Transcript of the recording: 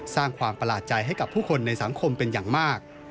สร้างความประหลาดใจให้กับผู้คนในสังคมเป็นอย่างมาก